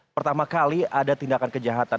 pertama kali ada tindakan kejahatan